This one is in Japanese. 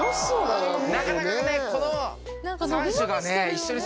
なかなかねこの。